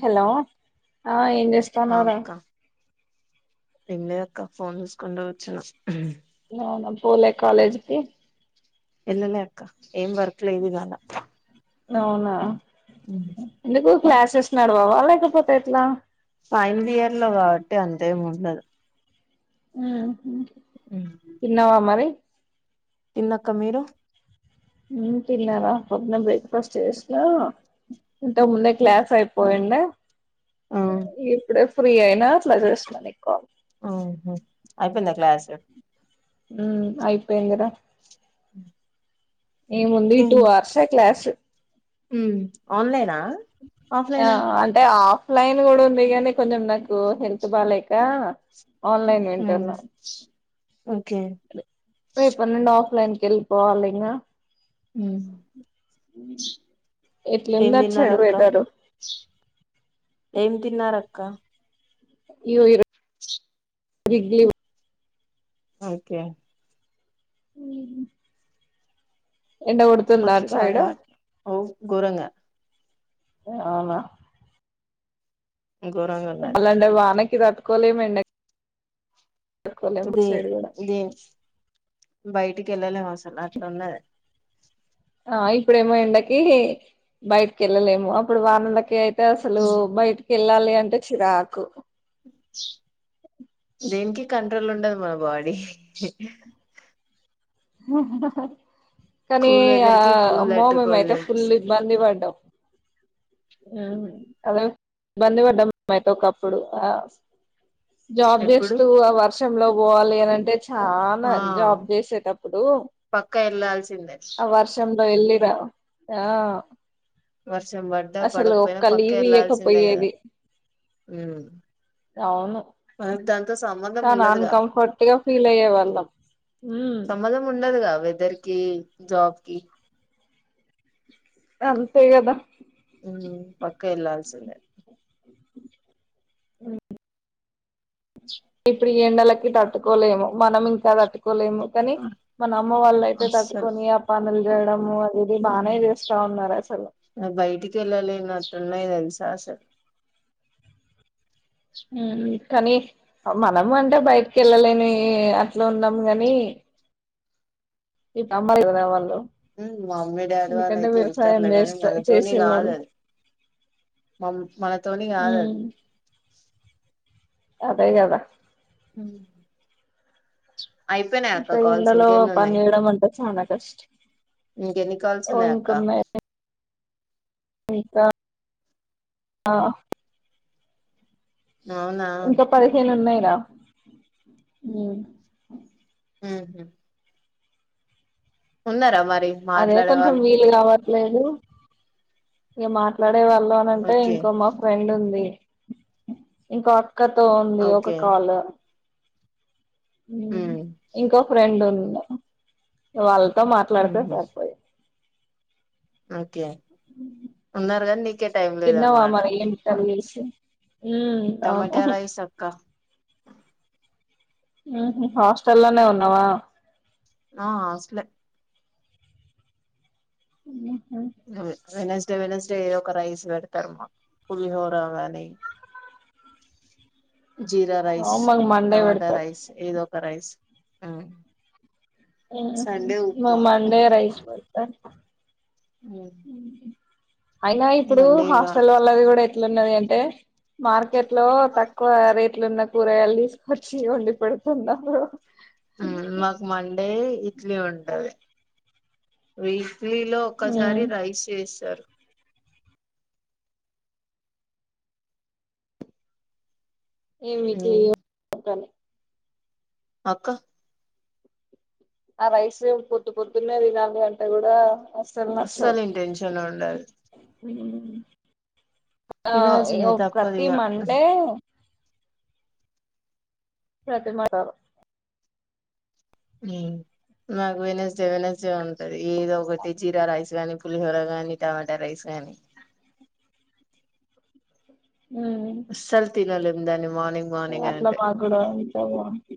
Hello ఆ ఏం చేస్తాన్నావు రా ఏంలేదు అక్క ఫోన్ చూసుకుంటు కూర్చున్న అవునా పోలే కాలేజ్ కి ఎల్లలే అక్క ఏం వర్క్ లేదు ఇవాళ అవునా ఎందుకు క్లాసెస్ నడవవా లేకపోతే ఎట్లా ఫైనల్ ఇయర్ లో కాబట్టి అంతేం ఉండదు ఆ తిన్నవా మరి తిన్న అక్క మీరు హు తిన్నారా పొదున్నే బ్రేక్ఫాస్ట్ చేసిన ఇంతకు ముందే క్లాస్ అయిపోయుండె ఆ ఇప్పుడు ఫ్రీ అయినా అట్లా చేస్తున్నా నీకు కాల్ ఔమ్మద్ అయిపోయిందా క్లాస్ ఉ అయిపోయిందిర ఉ ఎముంది టూ అవర్సే క్లాసు ఉ ఆన్లైన్ ఆ ఆ అంటే ఆఫ్ లైన్ గూడా ఉంది గానీ కొంచెం నాకు హెల్త్ బాలెక ఆన్లైన్ ఉమ్ వింటున్న ఓకే రేపడ్నుండి ఆఫ్ లైన్ కెళ్ళిపోవాలింగా ఊ ఏం ఎట్లుంది అటు సైడ్ తిన్నారక్క వెదరు ఏం తిన్నారక్ క్క ఇయ్యో ఇరో స్ క్ బిగ్ లివ్ ఓకే. ఎండ కొడుతుంద అటుసైడు. గోరంగ అవునా ఘోరంగుండాలి. తట్టుకోలేంమెండకి అదే దే బయటికి ఎళ్ళలేము అసలు అట్లున్నది. ఆ ఇప్పుడేమో ఎండకి బయటికి వెళ్ళలేము అప్పుడు వానలకి అయి తే అసలు బయట్ ఎల్లాలి అంటే చిరాకు దేనికి కంట్రోల్ ఉండదు మన బాడీ ఓ హో హ కానీ కూల్ ఆ వెదర్ కి కూల్ అమ్మో మేమయితే తట్టుకోలేం ఫుల్ ఇబ్బంది పడ్డాం. అ అదే ఇబ్బంది పడ్డం బయట ఒకప్పుడు ఆ జాబ్ ఎప్పుడు చేస్తూ అవర్స వర్షంలో పోవాలి అని అంటే చానా ఆ జాబ్ చేసేటప్పుడు పక్క వెళ్లాల్సిందే ఆ వర్షం వెళ్ళిరా ఆ వస్ ర్షం పడ్డా అసలు పడకపోయినా ఒక్క పక్క లీవ్ వెళ్లాల్సిందే కదా ఇయ్యకపోయేది ఊ మనకీ దాంతో సమ్ చాలా అన్కంఫర్ట్గా ఫీల్ అయ్యే వాళ్ళం ఊ వెదర్కి జాబ్కి అంతే కదా ఉ పక్క వెళ్ళాల్సిందే. హ్మ్మ్ ఎప్పుడు ఎండలకి తట్టుకోలేము మనం ఇంకా తట్టు కోలేము కానీ మన అమ్మ వాళ్ళ అయితే అస్సలు తట్టుకొని ఆ పను చేేడమ బయటికి వెళ్ళాలి అట్లున్నాయి తెలుస చస హ్మ్మ్ కానీ మనము అంటే బయటకి వెళ్ళలేని అట్లా ఉన్నాము గాని ఇ తబద వాళ్ళు మా మమ్మీ డాడీ ఎందుకంటే వాళ్ళుయితే వ్యవసాయం వెళ్తారులే కానీ చేస్త మనతోని కాదు చేసేవారు అది మ మనతోని కాదు ఉమ్ అది అదే కదా హ ఇకా ఇండలో ఇంకెన్ని పని ఉన్నాయి వయడం అంటే చాలా కష్ట ఇంకెన్ని కాల్స్ ఉన్నాయి అక్క ఇంకున్నాయి అకా ఆ అవునా ఇంకా పదిహేను ఉన్నాయి హ్మ్మ్ ఉహు ఉన్నార మా అదే కొంచెం వీలు కావ లేదు ఇక మాట్లాడ ఉండే వాళ్ళం అని అంటే ఓకే ఇంకో మాకు ఫ్రెండ్ ఉంది ఇంకా అక్కతో ఉంది ఒక ఓకే కాల్ ఉమ్ ఇంకోొక రెండు ఉంది వాళ్ళ తో మాట్లాడితే ఉహు సరిపోయి ఓకే ఉన్నారు కానీ నీకే టైం తిన్నావా లేదనమాట మరి ఏం కర్రీ చేశారు టమాటా రైస్ అక్కా. ఉహు హాస్టల్ లోనే ఉన్నావా ఆ అస్టలే ఉ వెనస్డే వెనస్డే ఏ ఒక రైస్ వెడతరు మాకు పులిహోర గాని జీరా రైస్, మాకు మండే టమాటా పెడతారు రైస్ ఏదో ఒక రైస్ ఉం ఊహు మాద్ మండే రైస్ బల్ గంత ఊమ్ అయినా ఇప్పుడు హాస్టల్ వల్లది గూడా ఎప్ ఎట్లున్నది అంటే మార్ కెట్లో లో తక్కువ రేట్లు ఉన్న కూరగాయలు దీసుకొచ్చి ఒండిపెడ్ చిన్నప్పుడు ఉమ్ మాకు మండే ఇడ్లీ ఉంటది వేయిట్ డ్లీ లో ఒకసారి ఉమ్ రైస్ ఏస్తరు ఏమిటి ఉమ్ గని అక్క ఆ రైసు పొద్దు పొద్దున్నే తినాలి అంటే గూడా అస్సలు ఇంటెంశన్ ఉండది ఉ ఆ ఇ ఒ ప్రతి తప్పదిగా మండే ప్రతిమ టరు ఉమ్ నాకు వెనస్డే వెనస్డే ఉంటది ఏదో ఒకటి జీరా రైస్ గానీ పులిహోర గాని టమాటా రైస్ గాని అస్సలు తినలేం ఉందని ఏ అట్ల మాగుడ ఉంటే బావుండు.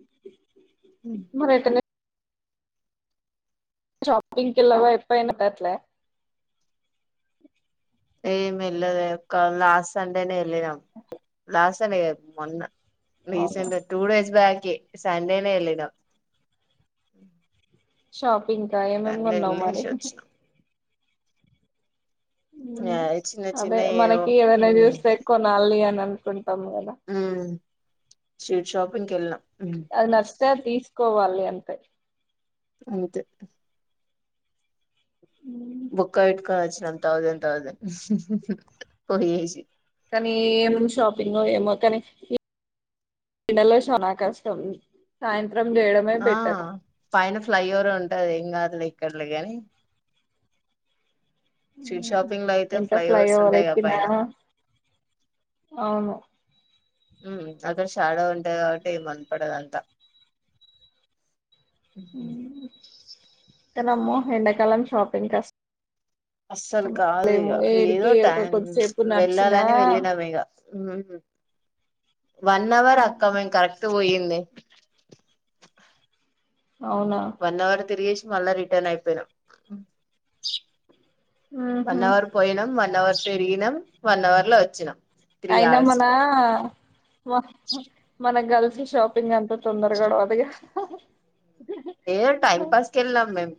మరి ఎటన షాపింగ్కి కెళ్ళావా ఎప్పైనా దట్లే ఏం వెల్లలే అక్కా లాస్ట్ సండేనే లాస్ట్ ఈ సండే గాద్ మొన్న అవునా రీసెంట్ గ టూ డేస్ బ్యాక్ కే సండేనే ఎల్లినం షాబ్ పింకా ఏమేం గొన్నావ్ మరి వచ్చినాం ఊమ్ ఆ చిన్న చిన్న అదే ఏవో మనకీ ఎవరినైనా జూస్తే కొనాలీ అని అన్ హ్మ్ స్ట్రీట్ షాప్ ఇంకెళ్ళినా అది నర్స్ సార్ తీసుకోవాలీ అంతే అంతే ఉమ్. ముక్క పెట్టుకొనిచ్చి న థౌసండ్ థౌసండ్ పోగేసి కానీ ఏం షాపింగో ఏమో కానీ ఇప్ ఎండలో చాలా కష్టం సాయం సాయంత్రం చేయడమే బెటర్ ఫ్లై ఓవర్ ఉంటది ఏం కాదులే ఎక్కడలే గని షాపింగ్ లో అయితే ఎంత ఫ్లై ఫ్లైఓవర్స్ ఓవర్ ఉంటాయి కదా ఎక్కినా పైన అవును హ్మ్ అక్కడ షాడో ఉంటాయి కాబట్టి ఏం కనపడదు అంతా హ్మ్ దనమ్మో ఎండాకాలం షాపింగ్ కస్ అస్సలు కాదు ఇగ ఏదో ఏడికి ఒక టైం కొద్దిసేపు నడిచినా వెళ్ళాలని వెళ్ళినం ఇగ హ్మ్ వన్ అవర్ అక్కా మేం కరెక్ట్ పోయి లే అవునా వన్ అవర్ తిరిగేషి మళ్ళా రిటన్ అయిపోయినం ఉహు వన్ అవర్ పోయినం వన్ అవర్ తిరిగినం వన్ అవర్ లో వచ్చిన అయినా మన మ మనక్ గల్స్ షాపింగ్ అంత తొందర గడవదుగా ఏ టైమ్ పాస్ కెలినం మేం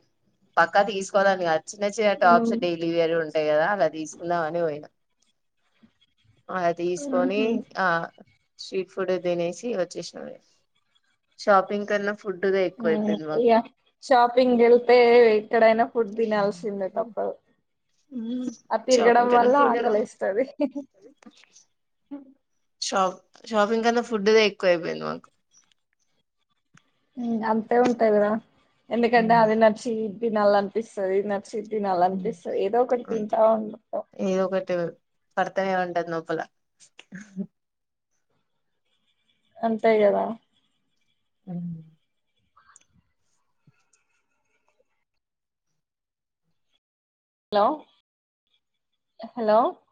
పక్కా తీసుకోవాలని కాదు చిన్న చిన్న టాప్స్ డైలీ వేర్ ఉంటాయి కదా అలా తీసుకుందామ అని పోయిన అది తీసుకొని ఉహు ఆ స్ట్రీట్ ఫుడ్ తినేసి వచ్చేసిన నేను షాపింగ్ కన్నా ఫుడ్ దే ఎక్కువ అయిపొ ఇ్యా షాపింగ్ వెళ్తే ఎక్కడైనా ఫుడ్ తినాల్సిందే తప్పదు ఆ తిర్గడం షాపింగ్ కన్నా వల్ల ఫుడ్ ఆకలే ఎస్తది షాప్ షాపింగ్ కన్నా ఫుడ్దే ఎక్కువయిపోయింది మాకు అంతే ఉంటాయి కదా ఎందుకంటె అది నచ్చి వినాల అనిపిస్తుంది నాకు తినాల అనిపిస్తాది ఏదో ఒకటి అంతే తింటా ఉంట ఏదో ఒకటి పడతనే ఉంటది లోపల అంతే కదా హు హలో హలో